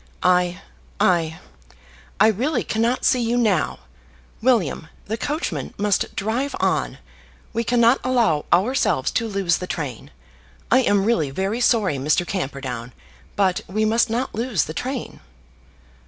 "I I I really cannot see you now. William, the coachman must drive on. We cannot allow ourselves to lose the train. I am really very sorry, Mr. Camperdown, but we must not lose the train."